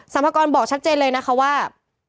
พากรบอกชัดเจนเลยนะคะว่า